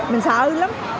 mình sợ lắm